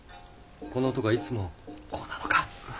この男はいつもこうなのか？